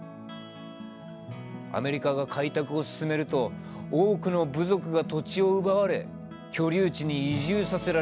アメリカが開拓を進めると多くの部族が土地を奪われ居留地に移住させられた。